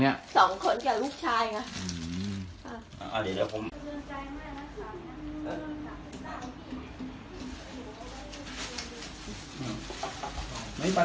สวัสดีทุกคน